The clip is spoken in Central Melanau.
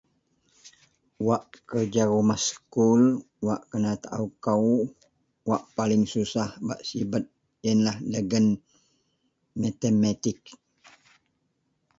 wak kerja rumah sekul wak kena taau kou, wak paling susah bak sibet ienlah dagen matematik